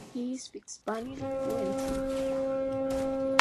He speaks Spanish fluently.